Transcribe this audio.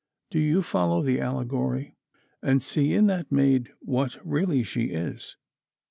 Do you follow the allegory, and see in that maid what really she is?